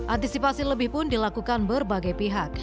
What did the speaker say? antisipasi lebih pun dilakukan berbagai pihak